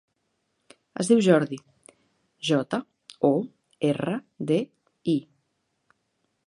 Es diu Jordi: jota, o, erra, de, i.